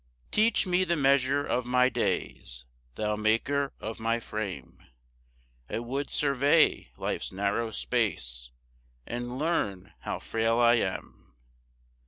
1 Teach me the measure of my days, Thou maker of my frame; I would survey life's narrow space, And learn' how frail I am.